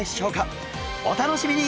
お楽しみに！